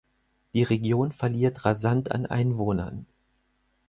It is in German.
Die Region verliert rasant an Einwohnern.